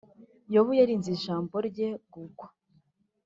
yobu yarinze ijambo rye gugwa